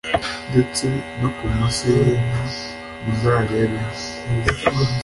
ndetse no ku Mase y inka muzarebeho